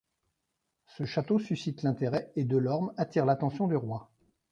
Ce château suscite l’intérêt et Delorme attire l’attention du roi.